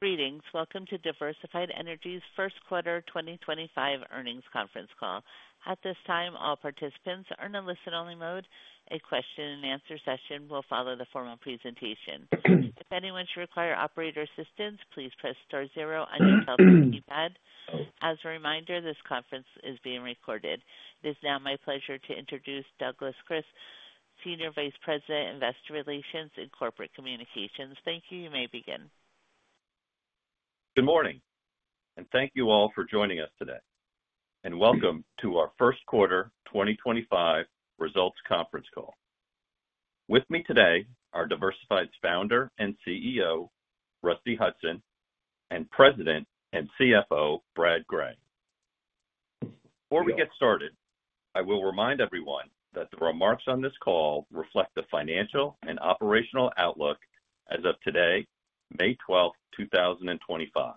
Greetings. Welcome to Diversified Energy's first quarter 2025 earnings conference call. At this time, all participants are in a listen-only mode. A question-and-answer session will follow the formal presentation. If anyone should require operator assistance, please press star zero on your telephone keypad. As a reminder, this conference is being recorded. It is now my pleasure to introduce Douglas Kris, Senior Vice President, Investor Relations and Corporate Communications. Thank you. You may begin. Good morning, and thank you all for joining us today. Welcome to our first quarter 2025 results conference call. With me today are Diversified's Founder and CEO, Rusty Hutson, and President and CFO, Brad Gray. Before we get started, I will remind everyone that the remarks on this call reflect the financial and operational outlook as of today, May 12th, 2025.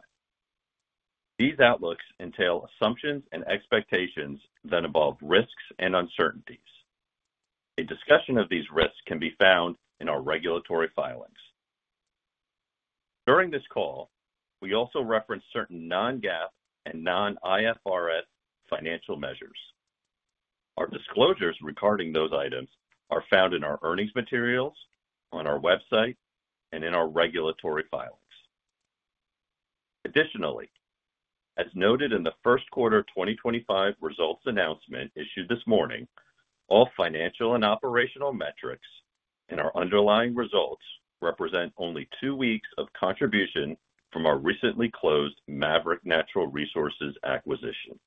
These outlooks entail assumptions and expectations that involve risks and uncertainties. A discussion of these risks can be found in our regulatory filings. During this call, we also reference certain non-GAAP and non-IFRS financial measures. Our disclosures regarding those items are found in our earnings materials, on our website, and in our regulatory filings. Additionally, as noted in the first quarter 2025 results announcement issued this morning, all financial and operational metrics and our underlying results represent only two weeks of contribution from our recently closed Maverick Natural Resources acquisition.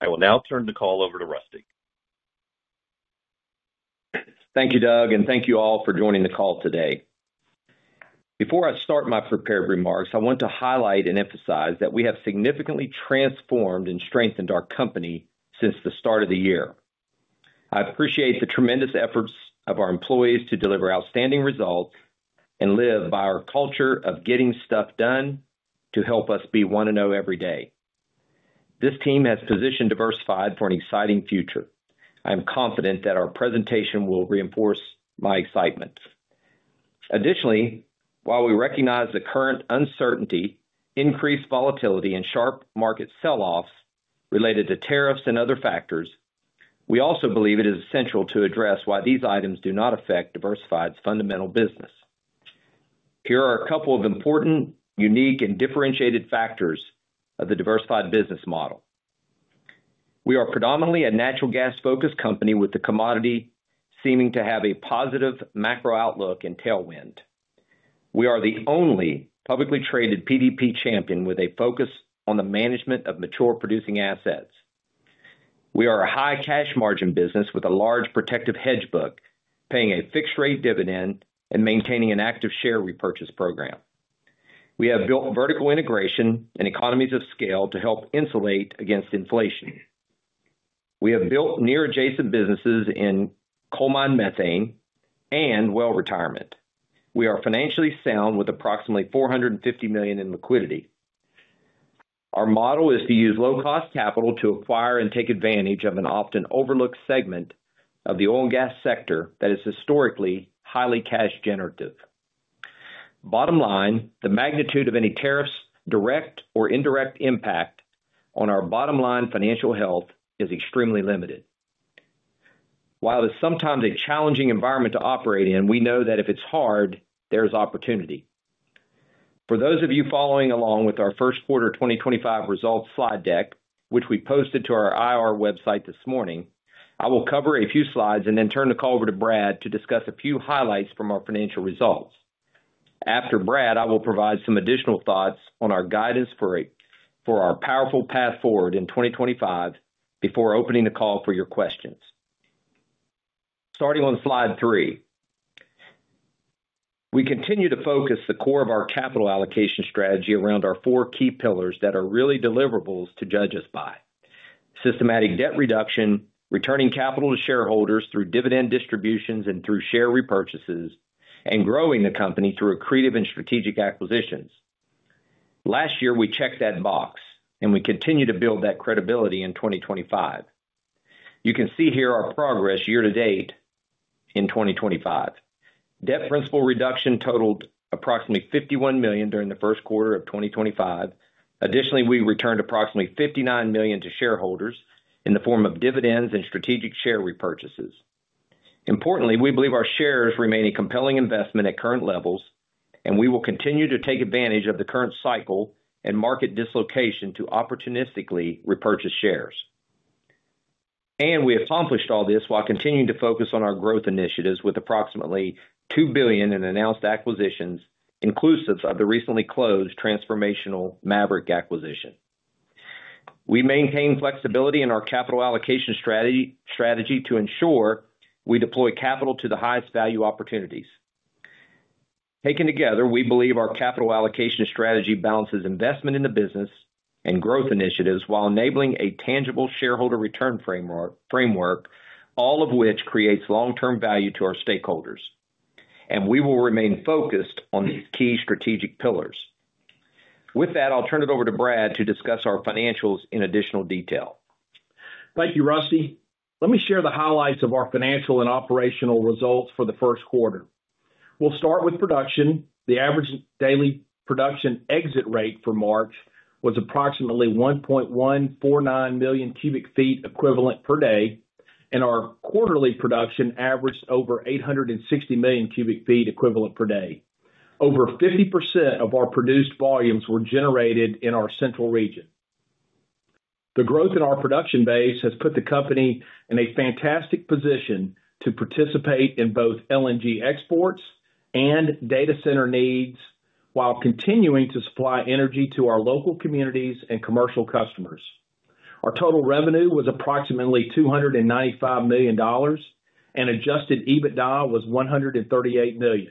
I will now turn the call over to Rusty. Thank you, Doug, and thank you all for joining the call today. Before I start my prepared remarks, I want to highlight and emphasize that we have significantly transformed and strengthened our company since the start of the year. I appreciate the tremendous efforts of our employees to deliver outstanding results and live by our culture of getting stuff done to help us be one and O every day. This team has positioned Diversified for an exciting future. I am confident that our presentation will reinforce my excitement. Additionally, while we recognize the current uncertainty, increased volatility, and sharp market sell-offs related to tariffs and other factors, we also believe it is essential to address why these items do not affect Diversified's fundamental business. Here are a couple of important, unique, and differentiated factors of the Diversified business model. We are predominantly a natural gas-focused company with the commodity seeming to have a positive macro outlook and tailwind. We are the only publicly traded PDP champion with a focus on the management of mature producing assets. We are a high cash margin business with a large protective hedge book, paying a fixed-rate dividend and maintaining an active share repurchase program. We have built vertical integration and economies of scale to help insulate against inflation. We have built near-adjacent businesses in coal mine methane and well retirement. We are financially sound with approximately $450 million in liquidity. Our model is to use low-cost capital to acquire and take advantage of an often overlooked segment of the oil and gas sector that is historically highly cash generative. Bottom line, the magnitude of any tariff's direct or indirect impact on our bottom line financial health is extremely limited. While it is sometimes a challenging environment to operate in, we know that if it's hard, there is opportunity. For those of you following along with our first quarter 2025 results slide deck, which we posted to our IR website this morning, I will cover a few slides and then turn the call over to Brad to discuss a few highlights from our financial results. After Brad, I will provide some additional thoughts on our guidance for our powerful path forward in 2025 before opening the call for your questions. Starting on slide three, we continue to focus the core of our capital allocation strategy around our four key pillars that are really deliverables to judge us by: systematic debt reduction, returning capital to shareholders through dividend distributions and through share repurchases, and growing the company through accretive and strategic acquisitions. Last year, we checked that box, and we continue to build that credibility in 2025. You can see here our progress year to date in 2025. Debt principal reduction totaled approximately $51 million during the first quarter of 2025. Additionally, we returned approximately $59 million to shareholders in the form of dividends and strategic share repurchases. Importantly, we believe our shares remain a compelling investment at current levels, and we will continue to take advantage of the current cycle and market dislocation to opportunistically repurchase shares. We accomplished all this while continuing to focus on our growth initiatives with approximately $2 billion in announced acquisitions inclusive of the recently closed transformational Maverick acquisition. We maintain flexibility in our capital allocation strategy to ensure we deploy capital to the highest value opportunities. Taken together, we believe our capital allocation strategy balances investment in the business and growth initiatives while enabling a tangible shareholder return framework, all of which creates long-term value to our stakeholders. We will remain focused on these key strategic pillars. With that, I'll turn it over to Brad to discuss our financials in additional detail. Thank you, Rusty. Let me share the highlights of our financial and operational results for the first quarter. We'll start with production. The average daily production exit rate for March was approximately 1,149 million cu ft equivalent per day, and our quarterly production averaged over 860 million cu ft equivalent per day. Over 50% of our produced volumes were generated in our central region. The growth in our production base has put the company in a fantastic position to participate in both LNG exports and data center needs while continuing to supply energy to our local communities and commercial customers. Our total revenue was approximately $295 million, and adjusted EBITDA was $138 million,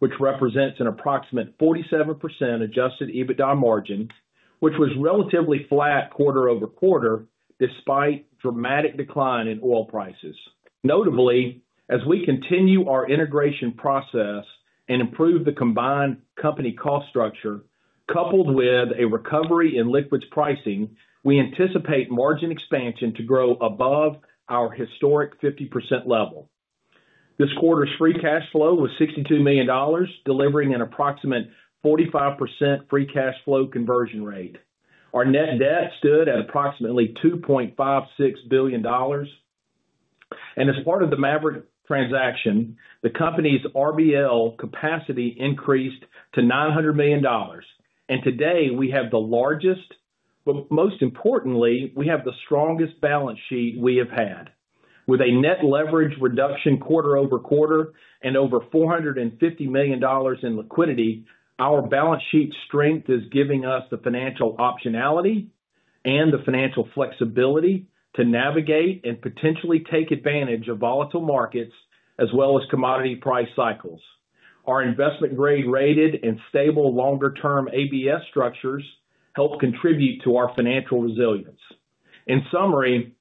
which represents an approximate 47% adjusted EBITDA margin, which was relatively flat quarter over quarter despite dramatic decline in oil prices. Notably, as we continue our integration process and improve the combined company cost structure, coupled with a recovery in liquids pricing, we anticipate margin expansion to grow above our historic 50% level. This quarter's free cash flow was $62 million, delivering an approximate 45% free cash flow conversion rate. Our net debt stood at approximately $2.56 billion. As part of the Maverick transaction, the company's RBL capacity increased to $900 million. Today, we have the largest, but most importantly, we have the strongest balance sheet we have had. With a net leverage reduction quarter over quarter and over $450 million in liquidity, our balance sheet strength is giving us the financial optionality and the financial flexibility to navigate and potentially take advantage of volatile markets as well as commodity price cycles. Our investment-grade rated and stable longer-term ABS structures help contribute to our financial resilience. In summary,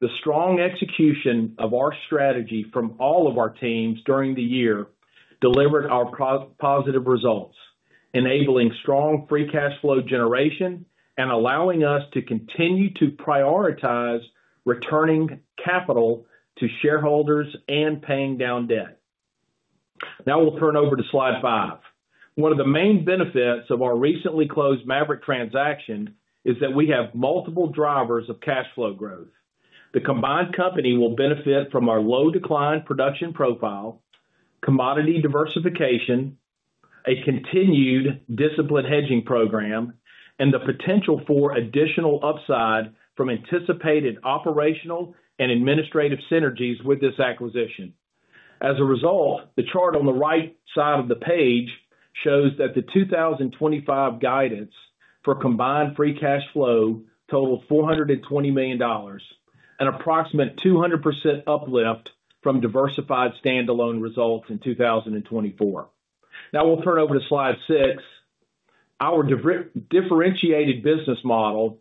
the strong execution of our strategy from all of our teams during the year delivered our positive results, enabling strong free cash flow generation and allowing us to continue to prioritize returning capital to shareholders and paying down debt. Now we'll turn over to slide five. One of the main benefits of our recently closed Maverick transaction is that we have multiple drivers of cash flow growth. The combined company will benefit from our low-decline production profile, commodity diversification, a continued discipline hedging program, and the potential for additional upside from anticipated operational and administrative synergies with this acquisition. As a result, the chart on the right side of the page shows that the 2025 guidance for combined free cash flow totaled $420 million, an approximate 200% uplift from Diversified standalone results in 2024. Now we'll turn over to slide six. Our differentiated business model,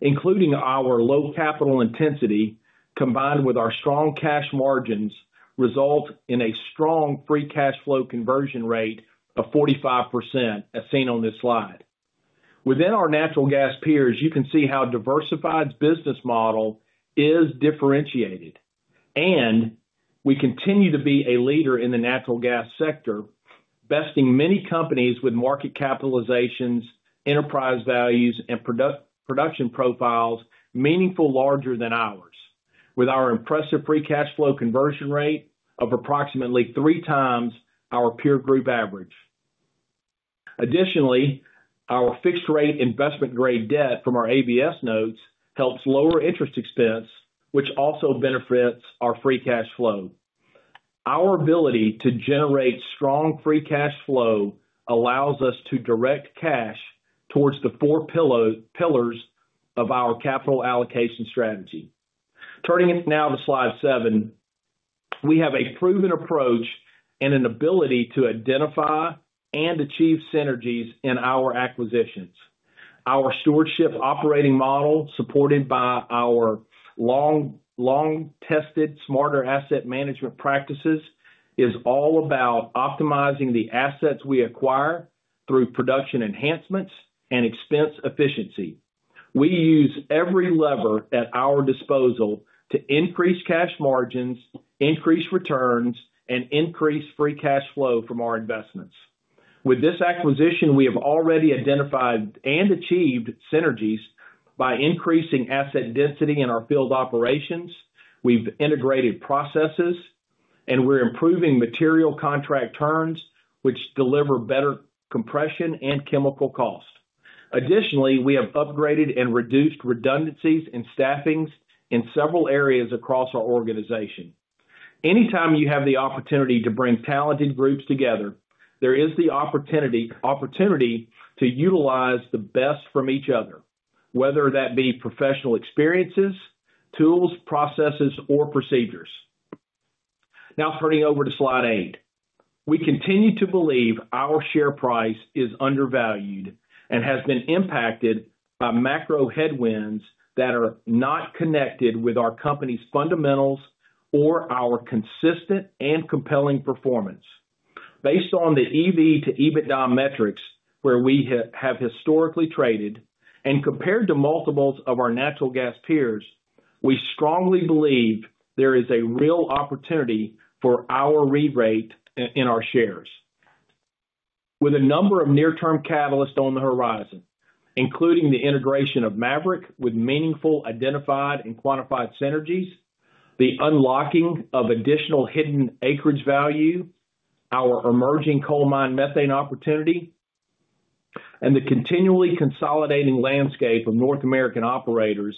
including our low capital intensity, combined with our strong cash margins, results in a strong free cash flow conversion rate of 45%, as seen on this slide. Within our natural gas peers, you can see how Diversified's business model is differentiated. We continue to be a leader in the natural gas sector, besting many companies with market capitalizations, enterprise values, and production profiles meaningfully larger than ours, with our impressive free cash flow conversion rate of approximately three times our peer group average. Additionally, our fixed-rate investment-grade debt from our ABS notes helps lower interest expense, which also benefits our free cash flow. Our ability to generate strong free cash flow allows us to direct cash towards the four pillars of our capital allocation strategy. Turning now to slide seven, we have a proven approach and an ability to identify and achieve synergies in our acquisitions. Our stewardship operating model, supported by our long-tested smarter asset management practices, is all about optimizing the assets we acquire through production enhancements and expense efficiency. We use every lever at our disposal to increase cash margins, increase returns, and increase free cash flow from our investments. With this acquisition, we have already identified and achieved synergies by increasing asset density in our field operations. We've integrated processes, and we're improving material contract turns, which deliver better compression and chemical cost. Additionally, we have upgraded and reduced redundancies and staffings in several areas across our organization. Anytime you have the opportunity to bring talented groups together, there is the opportunity to utilize the best from each other, whether that be professional experiences, tools, processes, or procedures. Now turning over to slide eight, we continue to believe our share price is undervalued and has been impacted by macro headwinds that are not connected with our company's fundamentals or our consistent and compelling performance. Based on the EV/EBITDA metrics where we have historically traded and compared to multiples of our natural gas peers, we strongly believe there is a real opportunity for our re-rate in our shares. With a number of near-term catalysts on the horizon, including the integration of Maverick with meaningful identified and quantified synergies, the unlocking of additional hidden acreage value, our emerging coal mine methane opportunity, and the continually consolidating landscape of North American operators,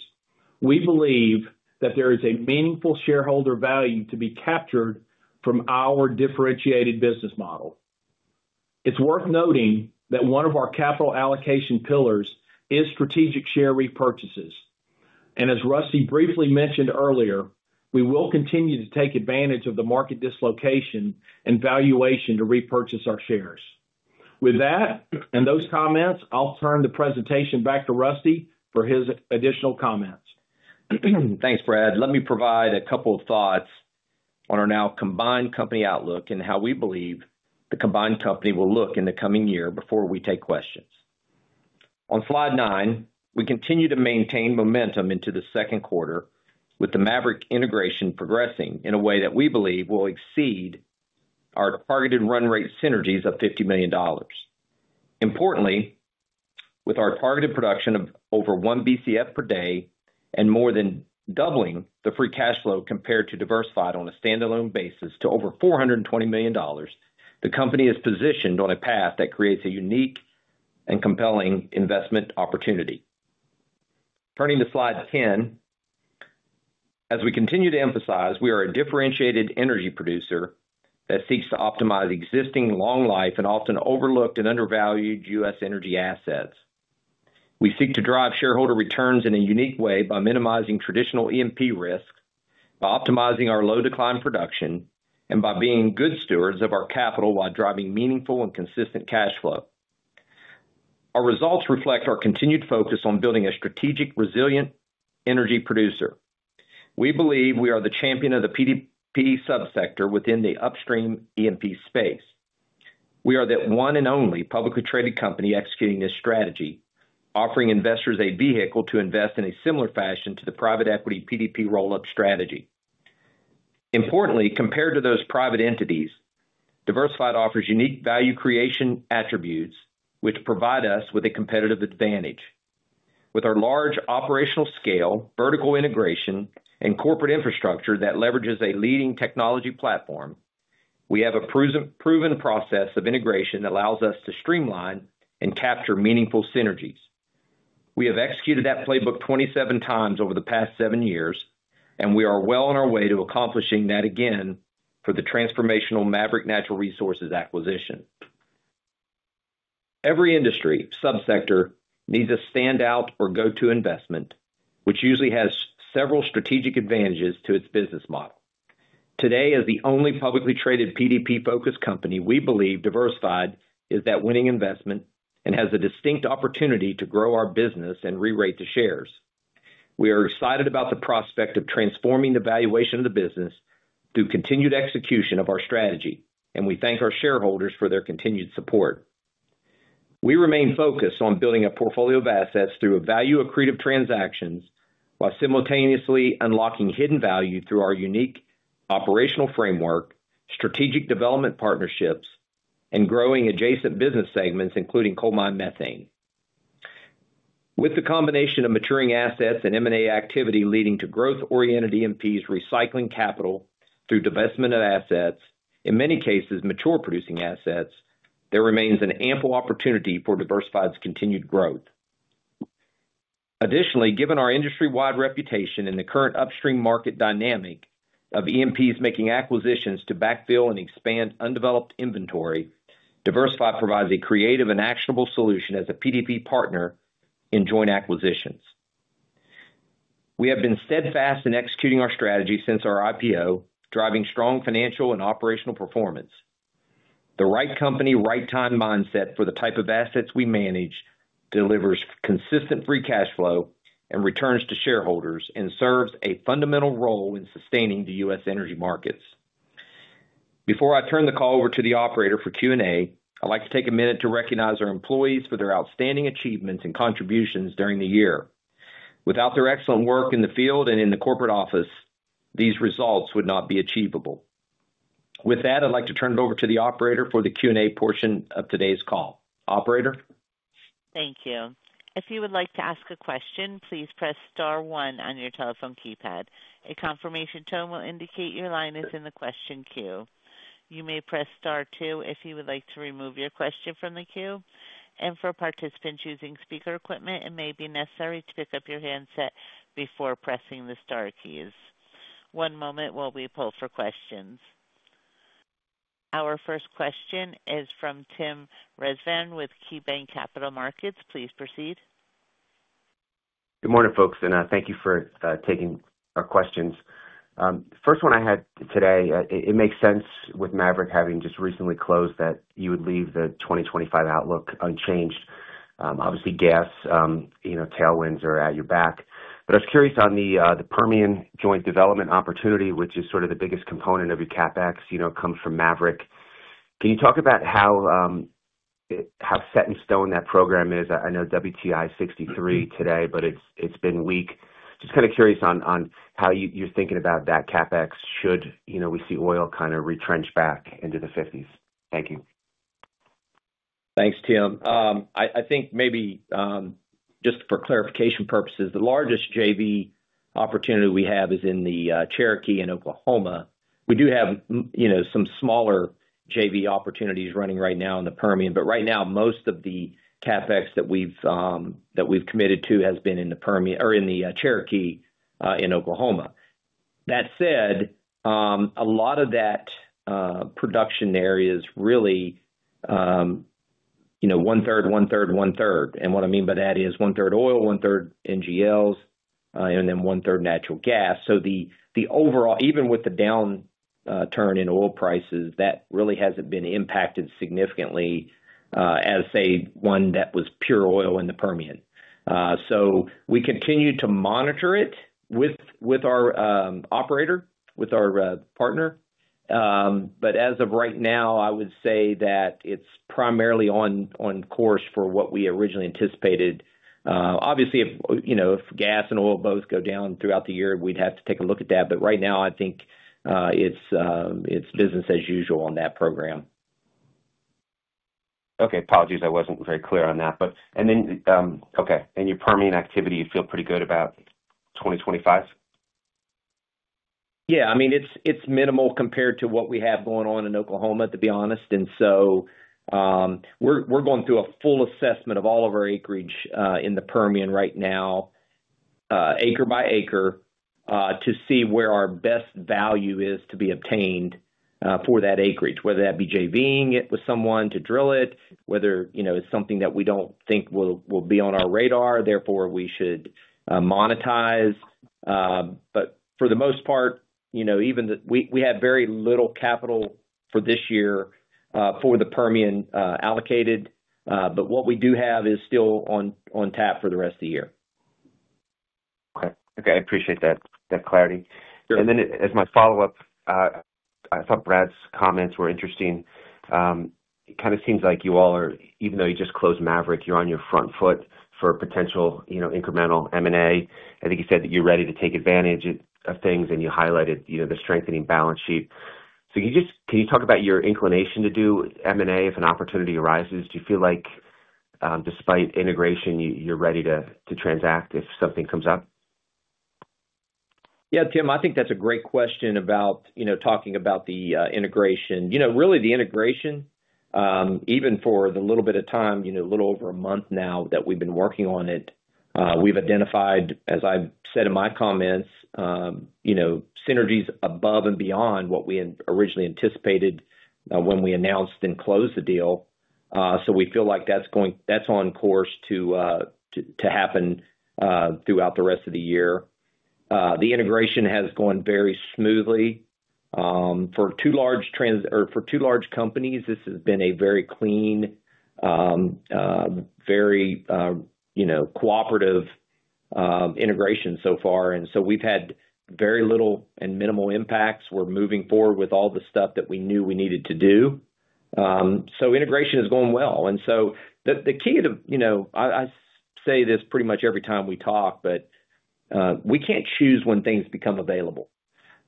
we believe that there is a meaningful shareholder value to be captured from our differentiated business model. It is worth noting that one of our capital allocation pillars is strategic share repurchases. As Rusty briefly mentioned earlier, we will continue to take advantage of the market dislocation and valuation to repurchase our shares. With that and those comments, I'll turn the presentation back to Rusty for his additional comments. Thanks, Brad. Let me provide a couple of thoughts on our now combined company outlook and how we believe the combined company will look in the coming year before we take questions. On slide nine, we continue to maintain momentum into the second quarter with the Maverick integration progressing in a way that we believe will exceed our targeted run rate synergies of $50 million. Importantly, with our targeted production of over one BCF per day and more than doubling the free cash flow compared to Diversified on a standalone basis to over $420 million, the company is positioned on a path that creates a unique and compelling investment opportunity. Turning to slide 10, as we continue to emphasize, we are a differentiated energy producer that seeks to optimize existing long-life and often overlooked and undervalued U.S. energy assets. We seek to drive shareholder returns in a unique way by minimizing traditional E&P risk, by optimizing our low-decline production, and by being good stewards of our capital while driving meaningful and consistent cash flow. Our results reflect our continued focus on building a strategic, resilient energy producer. We believe we are the champion of the PDP subsector within the upstream E&P space. We are that one and only publicly traded company executing this strategy, offering investors a vehicle to invest in a similar fashion to the private equity PDP roll-up strategy. Importantly, compared to those private entities, Diversified offers unique value creation attributes, which provide us with a competitive advantage. With our large operational scale, vertical integration, and corporate infrastructure that leverages a leading technology platform, we have a proven process of integration that allows us to streamline and capture meaningful synergies. We have executed that playbook 27 times over the past seven years, and we are well on our way to accomplishing that again for the transformational Maverick Natural Resources acquisition. Every industry subsector needs a standout or go-to investment, which usually has several strategic advantages to its business model. Today, as the only publicly traded PDP-focused company, we believe Diversified is that winning investment and has a distinct opportunity to grow our business and re-rate the shares. We are excited about the prospect of transforming the valuation of the business through continued execution of our strategy, and we thank our shareholders for their continued support. We remain focused on building a portfolio of assets through value-accretive transactions while simultaneously unlocking hidden value through our unique operational framework, strategic development partnerships, and growing adjacent business segments, including coal mine methane. With the combination of maturing assets and M&A activity leading to growth-oriented EMPs recycling capital through divestment of assets, in many cases mature producing assets, there remains an ample opportunity for Diversified's continued growth. Additionally, given our industry-wide reputation and the current upstream market dynamic of EMPs making acquisitions to backfill and expand undeveloped inventory, Diversified provides a creative and actionable solution as a PDP partner in joint acquisitions. We have been steadfast in executing our strategy since our IPO, driving strong financial and operational performance. The right company, right time mindset for the type of assets we manage delivers consistent free cash flow and returns to shareholders and serves a fundamental role in sustaining the U.S. energy markets. Before I turn the call over to the operator for Q&A, I'd like to take a minute to recognize our employees for their outstanding achievements and contributions during the year. Without their excellent work in the field and in the corporate office, these results would not be achievable. With that, I'd like to turn it over to the operator for the Q&A portion of today's call. Operator. Thank you. If you would like to ask a question, please press star one on your telephone keypad. A confirmation tone will indicate your line is in the question queue. You may press star two if you would like to remove your question from the queue. For participants using speaker equipment, it may be necessary to pick up your handset before pressing the star keys. One moment while we pull for questions. Our first question is from Tim Resvan with KeyBanc Capital Markets. Please proceed. Good morning, folks. Thank you for taking our questions. First one I had today, it makes sense with Maverick having just recently closed that you would leave the 2025 outlook unchanged. Obviously, gas tailwinds are at your back. I was curious on the Permian joint development opportunity, which is sort of the biggest component of your CapEx, comes from Maverick. Can you talk about how set in stone that program is? I know WTI $63 today, but it's been weak. Just kind of curious on how you're thinking about that CapEx should we see oil kind of retrench back into the $50s. Thank you. Thanks, Tim. I think maybe just for clarification purposes, the largest JV opportunity we have is in the Cherokee in Oklahoma. We do have some smaller JV opportunities running right now in the Permian, but right now, most of the CapEx that we've committed to has been in the Cherokee in Oklahoma. That said, a lot of that production there is really one-third, one-third, one-third. And what I mean by that is 1/3 oil, 1/3 NGLs, and then 1/3 natural gas. Even with the downturn in oil prices, that really hasn't been impacted significantly as, say, one that was pure oil in the Permian. We continue to monitor it with our operator, with our partner. As of right now, I would say that it's primarily on course for what we originally anticipated. Obviously, if gas and oil both go down throughout the year, we'd have to take a look at that. Right now, I think it's business as usual on that program. Okay. Apologies. I wasn't very clear on that. Okay. And your Permian activity, you feel pretty good about 2025? Yeah. I mean, it's minimal compared to what we have going on in Oklahoma, to be honest. We're going through a full assessment of all of our acreage in the Permian right now, acre by acre, to see where our best value is to be obtained for that acreage, whether that be JVing it with someone to drill it, whether it's something that we don't think will be on our radar, therefore we should monetize. For the most part, we have very little capital for this year for the Permian allocated. What we do have is still on tap for the rest of the year. Okay. Okay. I appreciate that clarity. Then as my follow-up, I thought Brad's comments were interesting. It kind of seems like you all are, even though you just closed Maverick, you're on your front foot for potential incremental M&A. I think you said that you're ready to take advantage of things, and you highlighted the strengthening balance sheet. Can you talk about your inclination to do M&A if an opportunity arises? Do you feel like despite integration, you're ready to transact if something comes up? Yeah, Tim, I think that's a great question about talking about the integration. Really, the integration, even for the little bit of time, a little over a month now that we've been working on it, we've identified, as I said in my comments, synergies above and beyond what we originally anticipated when we announced and closed the deal. We feel like that's on course to happen throughout the rest of the year. The integration has gone very smoothly. For two large companies, this has been a very clean, very cooperative integration so far. We've had very little and minimal impacts. We're moving forward with all the stuff that we knew we needed to do. Integration is going well. The key to, I say this pretty much every time we talk, is we can't choose when things become available.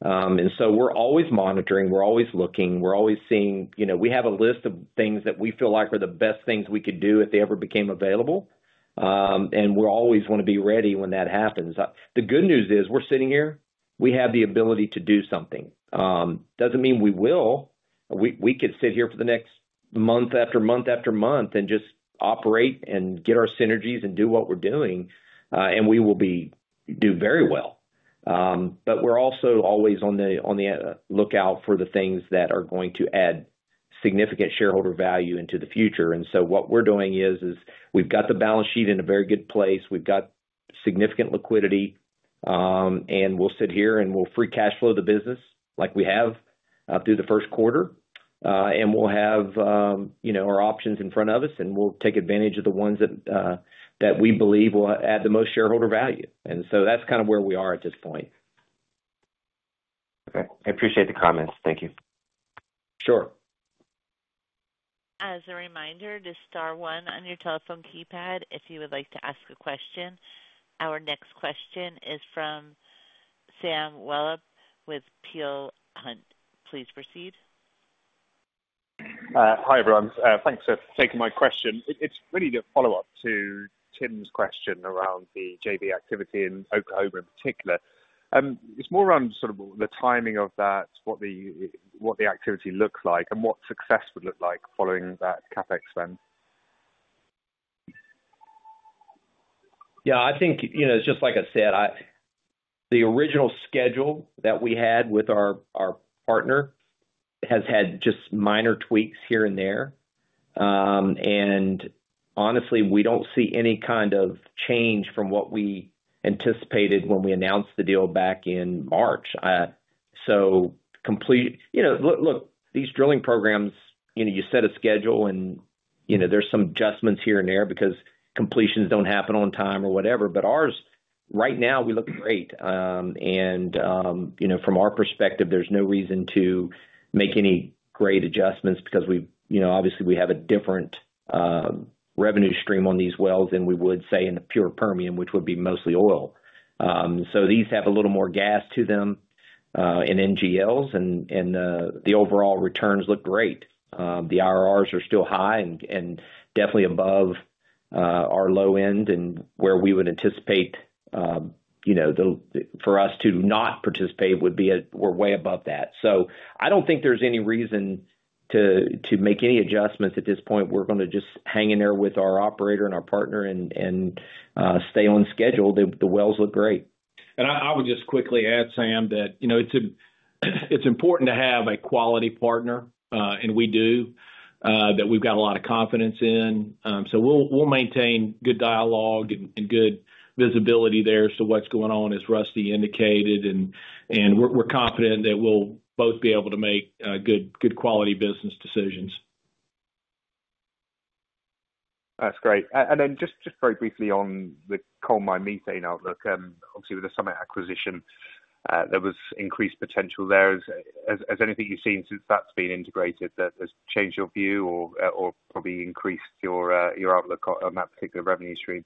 We're always monitoring. We're always looking. We're always seeing. We have a list of things that we feel like are the best things we could do if they ever became available. We always want to be ready when that happens. The good news is we're sitting here. We have the ability to do something. That does not mean we will. We could sit here for the next month after month after month and just operate and get our synergies and do what we're doing. We will do very well. We are also always on the lookout for the things that are going to add significant shareholder value into the future. What we're doing is we've got the balance sheet in a very good place. We've got significant liquidity. We will sit here and we will free cash flow the business like we have through the first quarter. We will have our options in front of us, and we will take advantage of the ones that we believe will add the most shareholder value. That is kind of where we are at this point. Okay. I appreciate the comments. Thank you. Sure. As a reminder, the star one on your telephone keypad, if you would like to ask a question. Our next question is from Sam Wahab with Peel Hunt. Please proceed. Hi, everyone. Thanks for taking my question. It's really a follow-up to Tim's question around the JV activity in Oklahoma in particular. It's more around sort of the timing of that, what the activity looks like, and what success would look like following that CapEx spend. Yeah. I think just like I said, the original schedule that we had with our partner has had just minor tweaks here and there. Honestly, we do not see any kind of change from what we anticipated when we announced the deal back in March. Look, these drilling programs, you set a schedule, and there are some adjustments here and there because completions do not happen on time or whatever. Ours, right now, we look great. From our perspective, there is no reason to make any great adjustments because obviously we have a different revenue stream on these wells than we would, say, in the pure Permian, which would be mostly oil. These have a little more gas to them and NGLs, and the overall returns look great. The IRRs are still high and definitely above our low end, and where we would anticipate for us to not participate would be we're way above that. I don't think there's any reason to make any adjustments at this point. We're going to just hang in there with our operator and our partner and stay on schedule. The wells look great. I would just quickly add, Sam, that it's important to have a quality partner, and we do, that we've got a lot of confidence in. We'll maintain good dialogue and good visibility there as to what's going on, as Rusty indicated. We're confident that we'll both be able to make good quality business decisions. That's great. Just very briefly on the coal mine methane outlook, obviously with the Summit acquisition, there was increased potential there. Has anything you've seen since that's been integrated that has changed your view or probably increased your outlook on that particular revenue stream?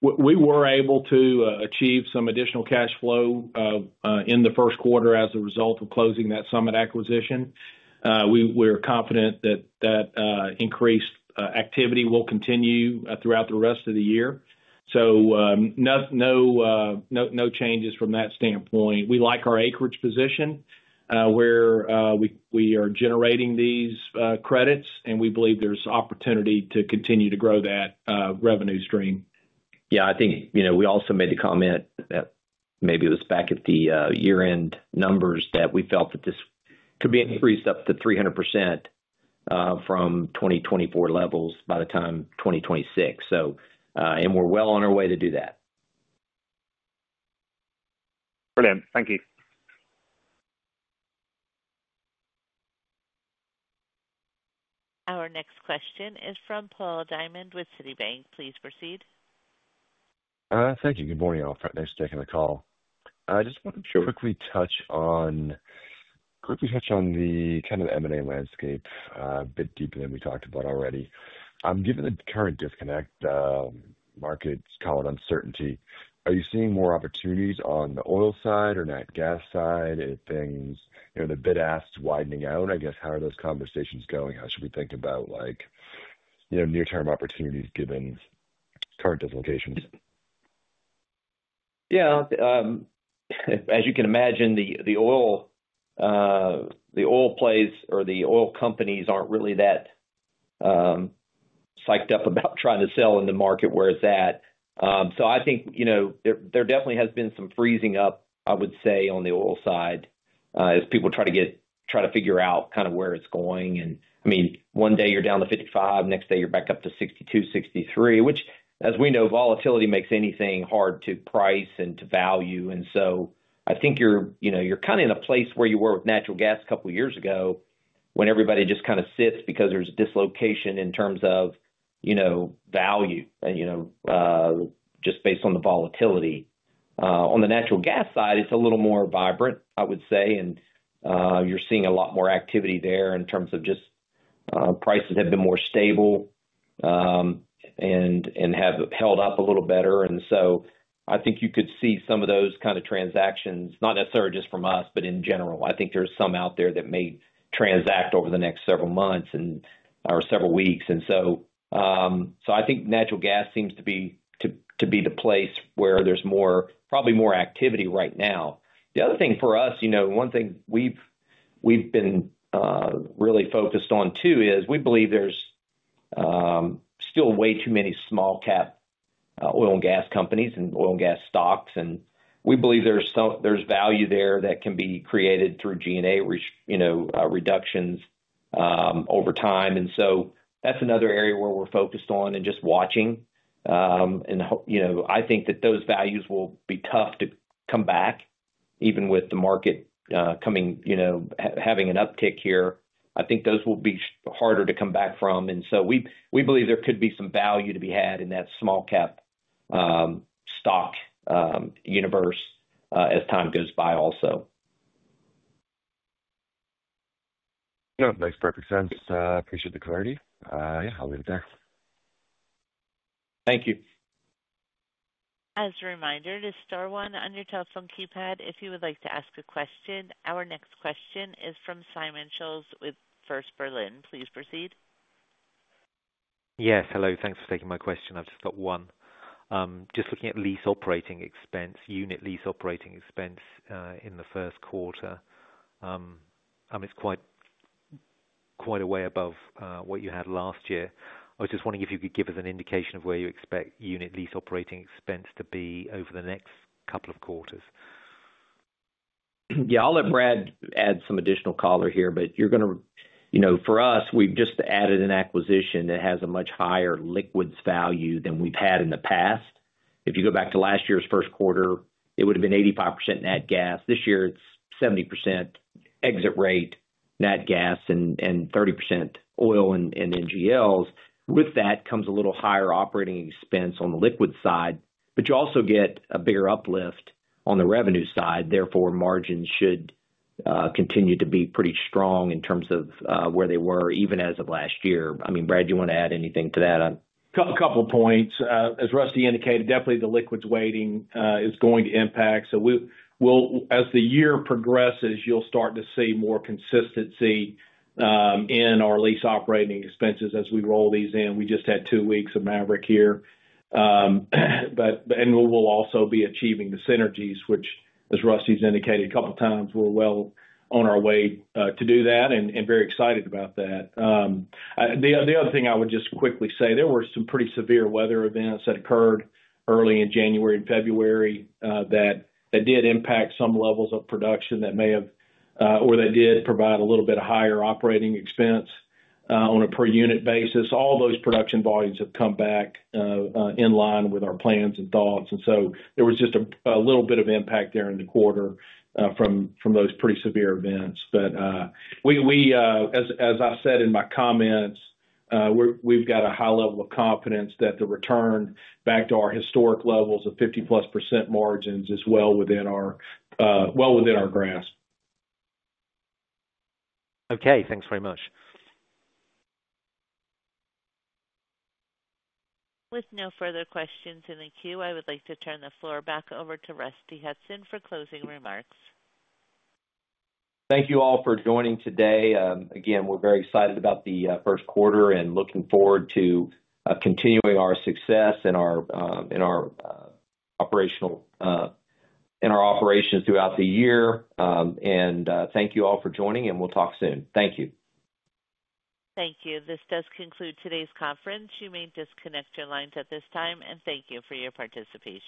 We were able to achieve some additional cash flow in the first quarter as a result of closing that Summit acquisition. We are confident that that increased activity will continue throughout the rest of the year. No changes from that standpoint. We like our acreage position where we are generating these credits, and we believe there is opportunity to continue to grow that revenue stream. Yeah. I think we also made the comment that maybe it was back at the year-end numbers that we felt that this could be increased up to 300% from 2024 levels by the time 2026. And we're well on our way to do that. Brilliant. Thank you. Our next question is from Paul Diamond with Citibank. Please proceed. Thank you. Good morning, all. Thanks for taking the call. I just want to quickly touch on the kind of M&A landscape a bit deeper than we talked about already. Given the current disconnect, markets call it uncertainty. Are you seeing more opportunities on the oil side or nat gas side? Are things, the bid-ask, widening out? I guess, how are those conversations going? How should we think about near-term opportunities given current dislocations? Yeah. As you can imagine, the oil plays or the oil companies aren't really that psyched up about trying to sell in the market where it's at. I think there definitely has been some freezing up, I would say, on the oil side as people try to figure out kind of where it's going. I mean, one day you're down to $55, next day you're back up to $62, $63, which, as we know, volatility makes anything hard to price and to value. I think you're kind of in a place where you were with natural gas a couple of years ago when everybody just kind of sits because there's dislocation in terms of value just based on the volatility. On the natural gas side, it's a little more vibrant, I would say. You're seeing a lot more activity there in terms of just prices have been more stable and have held up a little better. I think you could see some of those kind of transactions, not necessarily just from us, but in general. I think there's some out there that may transact over the next several months or several weeks. I think natural gas seems to be the place where there's probably more activity right now. The other thing for us, one thing we've been really focused on too is we believe there's still way too many small-cap oil and gas companies and oil and gas stocks. We believe there's value there that can be created through G&A reductions over time. That's another area where we're focused on and just watching. I think that those values will be tough to come back even with the market having an uptick here. I think those will be harder to come back from. We believe there could be some value to be had in that small-cap stock universe as time goes by also. No. Makes perfect sense. I appreciate the clarity. Yeah, I'll leave it there. Thank you. As a reminder, the star one on your telephone keypad, if you would like to ask a question. Our next question is from Simon Scholes with First Berlin. Please proceed. Yes. Hello. Thanks for taking my question. I've just got one. Just looking at lease operating expense, unit lease operating expense in the first quarter, it's quite a way above what you had last year. I was just wondering if you could give us an indication of where you expect unit lease operating expense to be over the next couple of quarters. Yeah. I'll let Brad add some additional color here, but you're going to, for us, we've just added an acquisition that has a much higher liquids value than we've had in the past. If you go back to last year's first quarter, it would have been 85% nat gas. This year, it's 70% exit rate nat gas and 30% oil and NGLs. With that comes a little higher operating expense on the liquid side, but you also get a bigger uplift on the revenue side. Therefore, margins should continue to be pretty strong in terms of where they were even as of last year. I mean, Brad, do you want to add anything to that? A couple of points. As Rusty indicated, definitely the liquids weighting is going to impact. As the year progresses, you'll start to see more consistency in our lease operating expenses as we roll these in. We just had two weeks of Maverick here. We will also be achieving the synergies, which, as Rusty has indicated a couple of times, we're well on our way to do that and very excited about that. The other thing I would just quickly say, there were some pretty severe weather events that occurred early in January and February that did impact some levels of production that may have or that did provide a little bit of higher operating expense on a per-unit basis. All those production volumes have come back in line with our plans and thoughts. There was just a little bit of impact there in the quarter from those pretty severe events. As I said in my comments, we have a high level of confidence that the return back to our historic levels of 50%+ margins is well within our grasp. Okay. Thanks very much. With no further questions in the queue, I would like to turn the floor back over to Rusty Hutson for closing remarks. Thank you all for joining today. Again, we're very excited about the first quarter and looking forward to continuing our success in our operations throughout the year. Thank you all for joining, and we'll talk soon. Thank you. Thank you. This does conclude today's conference. You may disconnect your lines at this time. Thank you for your participation.